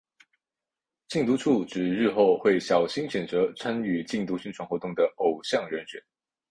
禁毒处指日后会小心选择参与禁毒宣传活动的偶像人选。